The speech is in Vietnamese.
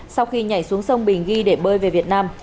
sau khi nhảy xuống sông bình ghi để bơi về việt nam